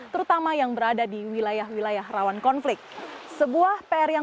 terutama di kota